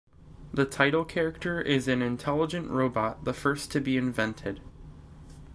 The title character is an intelligent robot, the first to be invented.